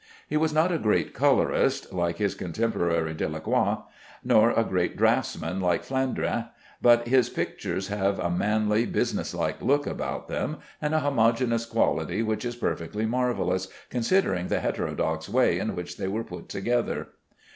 He was not a great colorist, like his contemporary Delacroix, nor a great draughtsman, like Flandrin, but his pictures have a manly, business like look about them, and a homogeneous quality which is perfectly marvellous, considering the heterodox way in which they were put together.